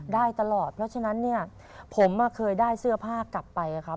ได้ตลอดเพราะฉะนั้นเนี่ยผมเคยได้เสื้อผ้ากลับไปครับ